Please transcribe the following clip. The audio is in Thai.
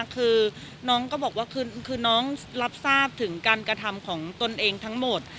คือน้องก็บอกว่าคือน้องรับทราบถึงการกระทำของตนเองทั้งหมด